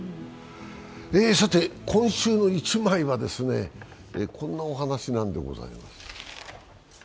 さて、「今週の一枚」はこんなお話なんでございます。